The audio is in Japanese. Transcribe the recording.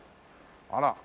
あら。